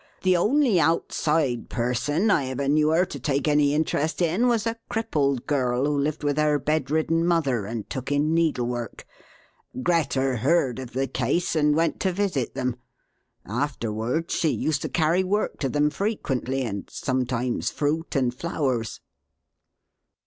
The only outside person I ever knew her to take any interest in was a crippled girl who lived with her bedridden mother and took in needlework. Greta heard of the case, and went to visit them. Afterward she used to carry work to them frequently, and sometimes fruit and flowers."